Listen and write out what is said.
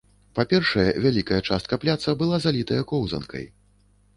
Па-першае, вялікая частка пляца была залітая коўзанкай.